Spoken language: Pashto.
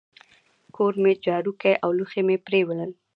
کور مي جارو کی او لوښي مي پرېولل.